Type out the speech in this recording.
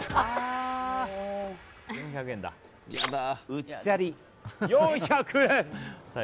うっちゃり４００円！